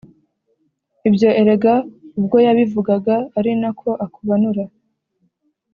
ibyo erega ubwo yabivugaga ari na ko akubanura